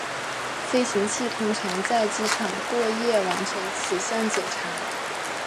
飞行器通常在机场过夜完成此项检查。